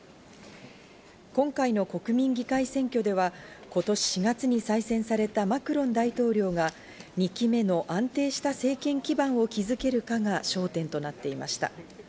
今回の国民議会選挙では今年４月に再選されたマクロン大統領が２期目の安定した政権基盤を築けるかが焦点となっていました。